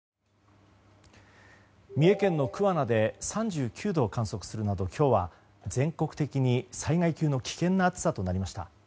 三重県の桑名で３９度を観測するなど今日は全国的に災害級の危険な暑さとなりました。